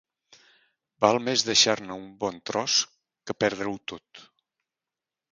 Val més deixar-ne un bon tros que perdre-ho tot.